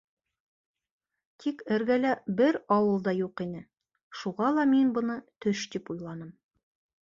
Тик эргәлә бер ауыл да юҡ ине, шуға ла мин быны төш тип уйланым.